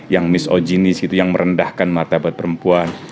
yang misoginis gitu yang merendahkan matabat perempuan